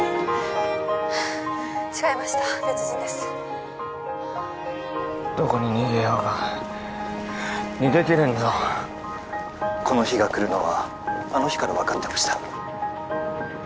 違いました別人です☎どこに逃げようが逃げきれんぞこの日が来るのはあの日から分かってました